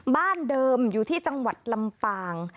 บ้านเดิมอยู่ที่จังหวัดลำปาง